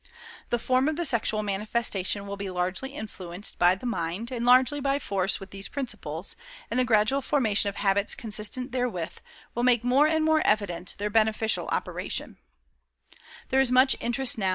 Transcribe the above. The form of the sexual manifestation will be largely influenced, by the mind, and largely by force with these principles, and the gradual formation of habits consistent therewith, will make more and more evident their beneficial operation."